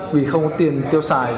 vì không có tiền tiêu xài